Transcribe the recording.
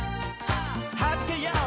「はじけよう！